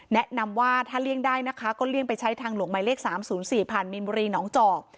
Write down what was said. แนะนำว่าถ้าเลี่ยงได้นะคะก็เลี่ยงไปใช้ทางหลวงหมายเลข๓๐๔ผ่านมีนบุรีหนองจอก